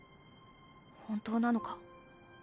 本当なのか？